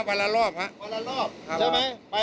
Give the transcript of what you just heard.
วันละรอบครับ